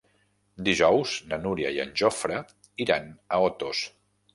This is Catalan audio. Dijous na Núria i en Jofre iran a Otos.